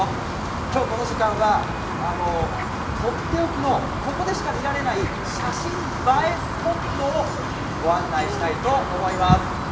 今日この時間は、とっておきの、ここでしか見られない写真映えスポットをご案内したいと思います。